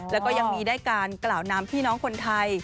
แล้วก็ยังมีได้การกล่าวนามพี่น้องคนไทย